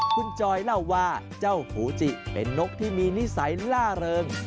คุณจอยเล่าว่าเจ้าหูจิเป็นนกที่มีนิสัยล่าเริง